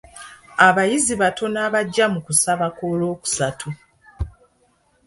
Abayizi batono abajja mu kusaba kw'olwokusatu.